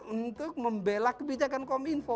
untuk membelah kebijakan kom info